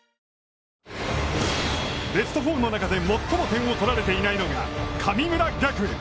ベスト４の中で最も点を取られていないのが、神村学園。